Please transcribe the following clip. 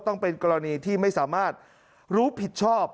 ต้องเป็นกรณีที่ไม่สามารถรู้ผิดชอบ